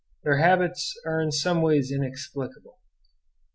Their habits are in some ways inexplicable.